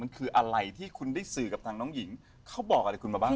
มันคืออะไรที่คุณได้สื่อกับทางน้องหญิงเขาบอกอะไรคุณมาบ้าง